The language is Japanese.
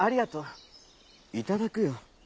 いただくよ。